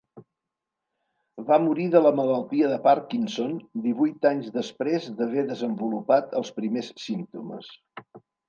Va morir de la malaltia de Parkinson divuit anys després d'haver desenvolupat els primers símptomes.